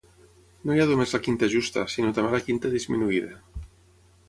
No hi ha només la quinta justa, sinó també la quinta disminuïda.